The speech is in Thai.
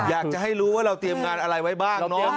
อยากจะให้รู้ว่าเราเตรียมงานอะไรไว้บ้างเนอะ